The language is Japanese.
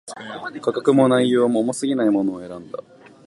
価格も、内容も、重過ぎないものを選んだ